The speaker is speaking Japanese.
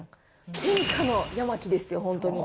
天下のヤマキですよ、本当に。